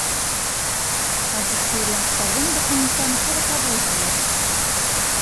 Абитуриенттарҙың документтарын ҡайҙа ҡабул ителәр?